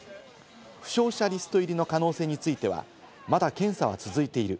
負傷者リスト入りの可能性については、まだ検査は続いている。